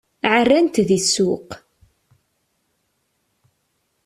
Ɛerran-t di ssuq.